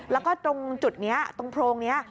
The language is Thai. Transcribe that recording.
แล้วก็ตรงจุดนี้ตรงโพรงนี้